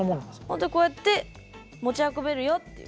本当にこうやって持ち運べるよっていう。